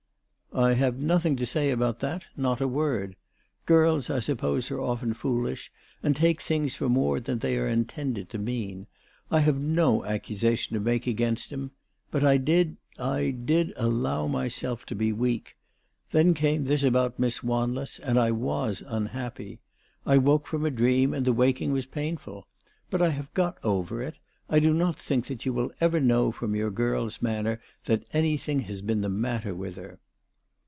" I have nothing to say about that ; not a word. Girls, I suppose, are often foolish, and take things for more than they are intended to mean. I have no accu sation to make against him. But I did, I did allow myself to be weak. Then came this about Miss Wan less, and I was unhappy. I woke from a dream, and the waking was painful. But I have got over it. I do not think that you will ever know from your girl's manner that anything has been the matter with her."